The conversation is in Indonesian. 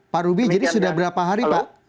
pak ruby jadi sudah berapa hari pak